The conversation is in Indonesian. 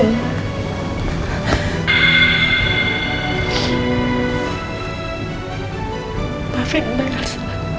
mbak fik balas